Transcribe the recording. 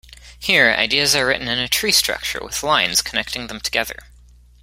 Here, ideas are written in a tree structure, with lines connecting them together.